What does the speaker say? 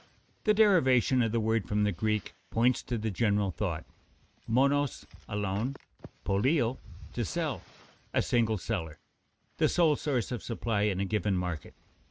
_ The derivation of the word from the Greek points to the general thought: monos, alone, poléo, to sell, a single seller, the sole source of supply in a given market.